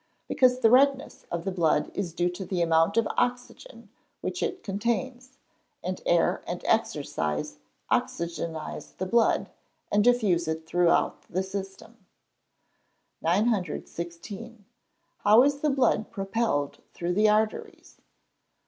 _ Because the redness of the blood is due to the amount of oxygen which it contains, and air and exercise oxygenise the blood, and diffuse it throughout the system. 916. _How is the blood propelled through the arteries?